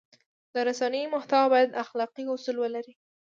د رسنیو محتوا باید اخلاقي اصول ولري.